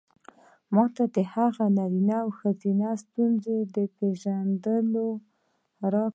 ما ته د هر نارينه او ښځې د ستونزو د پېژندو ليد راکړ.